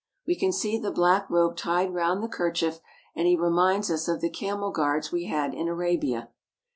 We can see the black rope tied round the kerchief, and he reminds us of the camel guards we had in Arabia.